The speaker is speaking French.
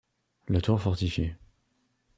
La Tour Fortifiée.